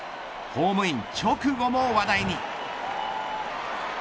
ホームイン直後も話題に。